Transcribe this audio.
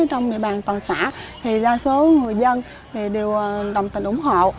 trong địa bàn toàn xã thì đa số người dân đều đồng tình ủng hộ